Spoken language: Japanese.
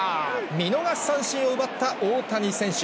見逃し三振を奪った大谷選手。